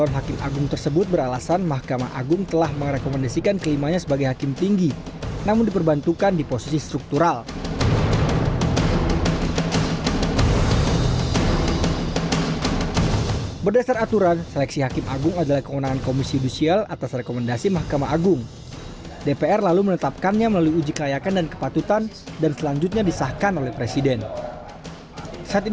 pemerintah pun diminta mengambil langkah cepat untuk mengevaluasi berbagai polemik dalam bidang hukum di indonesia